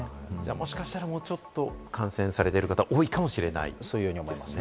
もしかしたら、もうちょっと感染している人が多いかもしれないと。